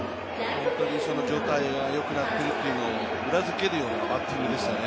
その状態が良くなっているっていうのを裏付けるようなバッティングでしたね。